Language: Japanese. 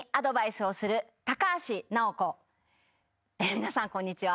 皆さんこんにちは。